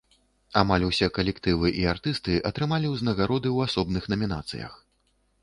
Амаль усе калектывы і артысты атрымалі ўзнагароды ў асобных намінацыях.